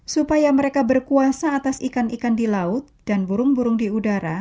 supaya mereka berkuasa atas ikan ikan di laut dan burung burung di udara